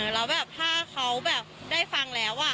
แล้วแบบถ้าเขาแบบได้ฟังแล้ว